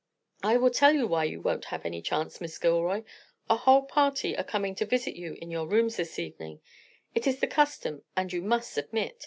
"I will tell you why you won't have any chance, Miss Gilroy. A whole party are coming to visit you in your rooms this evening; it is the custom, and you must submit.